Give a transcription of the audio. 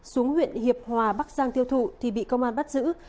xuống huyện hiệp hòa bắc giang tiêu thụ thì bị công an bắt giữ